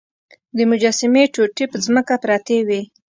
د مجسمې ټوټې په ځمکه پرتې وې.